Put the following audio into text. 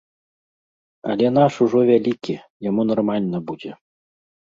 Але наш ужо вялікі, яму нармальна будзе.